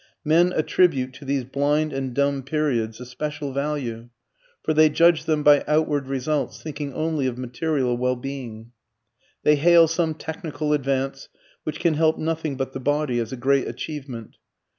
Men attribute to these blind and dumb periods a special value, for they judge them by outward results, thinking only of material well being. They hail some technical advance, which can help nothing but the body, as a great achievement.